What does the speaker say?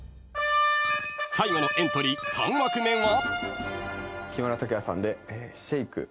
［最後のエントリー３枠目は］